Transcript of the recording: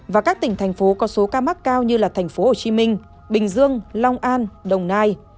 và các tỉnh thành phố có số ca mắc cao như thành phố hồ chí minh bình dương long an đồng nai